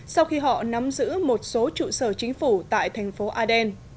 sau khi họ nắm giữ một số trụ sở chính phủ tại thành phố aden